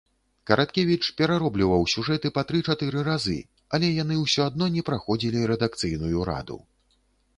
Караткевіч пераробліваў сюжэты па тры-чатыры разы, але яны ўсё адно не праходзілі рэдакцыйную раду.